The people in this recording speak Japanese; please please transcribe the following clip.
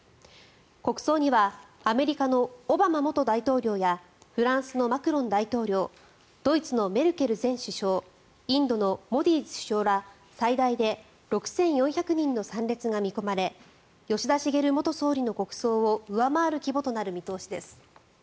国葬にはアメリカのオバマ元大統領やフランスのマクロン大統領ドイツのメルケル前首相インドのモディ首相ら最大で６４００人の参列が見込まれ吉田茂元総理の国葬を上回る規模となる見通しです。